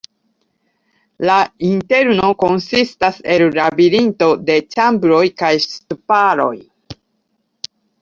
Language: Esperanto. La interno konsistas el labirinto de ĉambroj kaj ŝtuparoj.